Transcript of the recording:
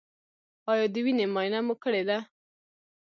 ایا د وینې معاینه مو کړې ده؟